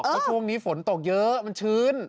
แล้วช่วงนี้ฝนตกเยอะมันชื้น